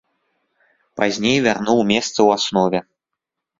Пазней вярнуў месца ў аснове.